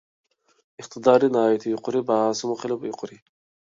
ئىقتىدارى ناھايىتى يۇقىرى، باھاسىمۇ خىلى يۇقىرى.